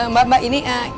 mbak mbak ini